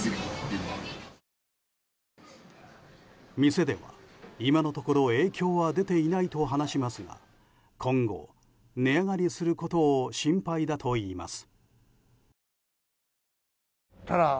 店では、今のところ影響は出ていないと話しますが今後、値上がりすることを心配だといいます。